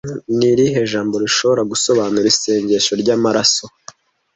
Ni irihe jambo rishobora gusobanura isengesho rya Amaraso